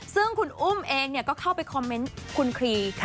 ซึ่งคุณอุ้มเองก็เข้าไปคอมเมนต์คุณครี